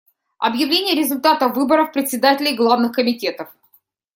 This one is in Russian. Объявление результатов выборов председателей главных комитетов.